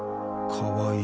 かわいい。